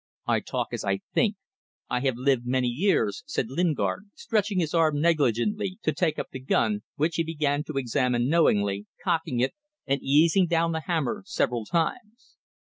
"I talk as I think. I have lived many years," said Lingard, stretching his arm negligently to take up the gun, which he began to examine knowingly, cocking it, and easing down the hammer several times.